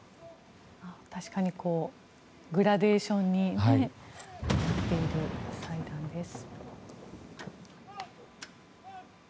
確かにグラデーションになっている祭壇です。